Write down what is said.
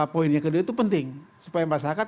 poin yang kedua itu penting supaya masyarakat